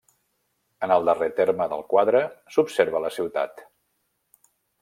En el darrer terme del quadre s'observa la ciutat.